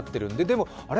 でもあれ？